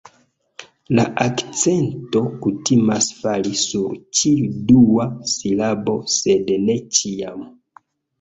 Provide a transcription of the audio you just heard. La akcento kutimas fali sur ĉiu dua silabo sed ne ĉiam